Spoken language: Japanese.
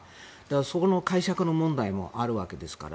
そこの解釈の問題もあるわけですから。